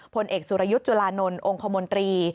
ผลเอกสุรยุทธ์จุลานนท์องค์คมนตรี